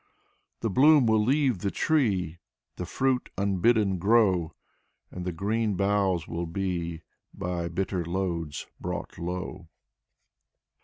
The bloom will leave the tree, The fruit, unbidden, grow. And the green boughs will be By bitter loads brought low.